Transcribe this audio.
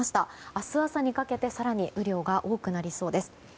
明日朝にかけて更に雨量が多くなりそうです。